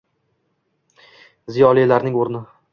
Ziyolilarning o‘rni